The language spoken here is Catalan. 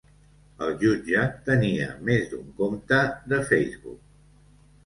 El Jutge tenia més d'un compte de Facebook